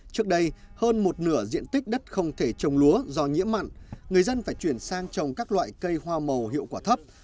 trước đây hơn một nửa diện tích đất không thể trồng lúa do nhiễm mặn người dân phải chuyển sang trồng các loại cây hoa màu hiệu quả thấp